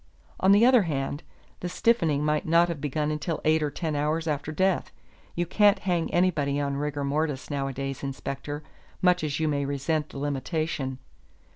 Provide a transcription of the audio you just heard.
On the other hand, the stiffening might not have begun until eight or ten hours after death. You can't hang anybody on rigor mortis nowadays, inspector, much as you may resent the limitation.